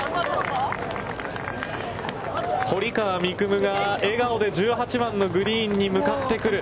夢が笑顔で１８番のグリーンに向かってくる。